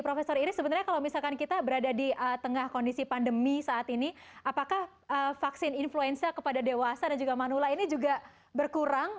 profesor ini sebenarnya kalau misalkan kita berada di tengah kondisi pandemi saat ini apakah vaksin influenza kepada dewasa dan juga manula ini juga berkurang